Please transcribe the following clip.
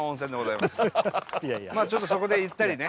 いやいやちょっとそこでゆったりね